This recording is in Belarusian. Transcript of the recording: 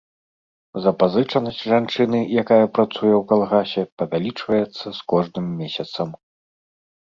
Запазычанасць жанчыны, якая працуе ў калгасе, павялічваецца з кожным месяцам.